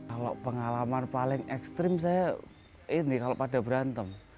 kalau pengalaman paling ekstrim saya ini kalau pada berantem